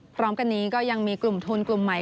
พร้อมกันนี้ก็ยังมีกลุ่มทุนกลุ่มใหม่